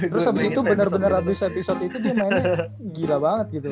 terus abis itu bener bener abis episode itu dia mainnya gila banget gitu